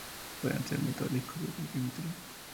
Pueden ser metálicos o de cualquier material.